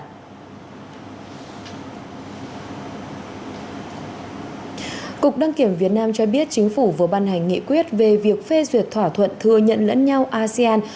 cục đăng kiểm việt nam cho biết chính phủ vừa ban hành nghị quyết về việc phê duyệt thỏa thuận thừa nhận lẫn nhau asean